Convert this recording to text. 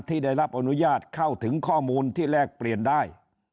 ที่ได้รับอนุญาตเข้าถึงข้อมูลที่แลกเปลี่ยนได้